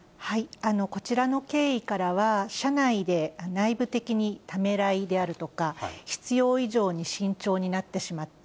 こちらの経緯からは、社内で内部的にためらいであるとか、必要以上に慎重になってしまった。